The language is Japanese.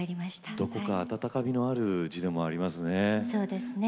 どこか温かみのある字でもありますね。